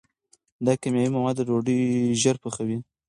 دا کیمیاوي مواد ډوډۍ ژر پخوي.